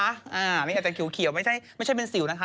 อันนี้อาจจะเขียวไม่ใช่เป็นสิวนะคะ